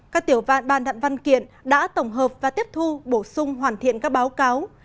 các tiểu văn bàn đặn văn kiện đã tổng hợp và tiếp thu bổ sung hoàn thiện các báo cáo